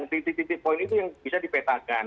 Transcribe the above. titik titik poin itu yang bisa dipetakan